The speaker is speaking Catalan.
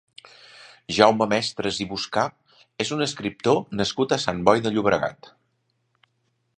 Jaume Mestres i Buscà és un escriptor nascut a Sant Boi de Llobregat.